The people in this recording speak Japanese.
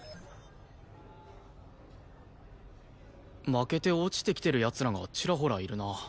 負けて落ちてきてる奴らがチラホラいるな。